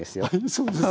そうですか。